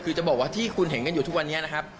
คือจะบอกว่าที่คุณเห็นกันอยู่ทุกวันนี้นะครับ